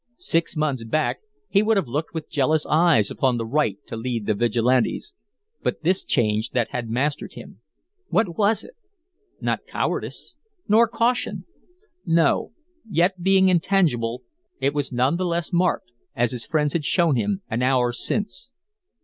Six months back he would have looked with jealous eyes upon the right to lead the Vigilantes, but this change that had mastered him what was it? Not cowardice, nor caution. No. Yet, being intangible, it was none the less marked, as his friends had shown him an hour since.